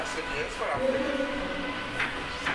Кӧ тоштын?